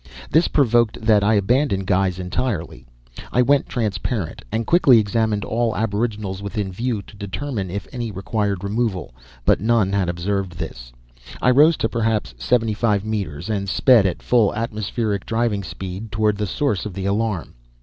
This provoked that I abandon guise entirely. I went transparent and quickly examined all aboriginals within view, to determine if any required removal; but none had observed this. I rose to perhaps seventy five meters and sped at full atmospheric driving speed toward the source of the alarm.